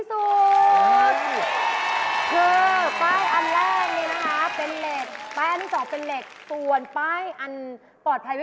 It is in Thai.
ส่วนใส